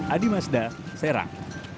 adi masda serang